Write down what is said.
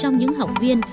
trong những học viên